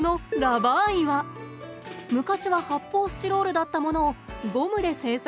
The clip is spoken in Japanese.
昔は発泡スチロールだったものをゴムで制作。